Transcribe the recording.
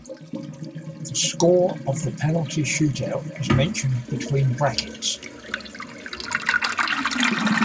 The score of the penalty shootout is mentioned between brackets.